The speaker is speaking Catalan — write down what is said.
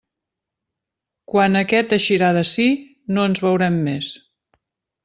Quan aquest eixirà d'ací, no ens veurem més.